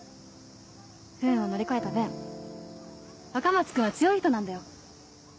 不運を乗り越えた分若松君は強い人なんだよ。